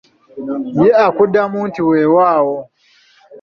Ye akuddamu nti weewaawo.